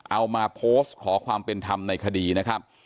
เอามาโพสต์ขอความเป็นธรรมในคดีนะครับ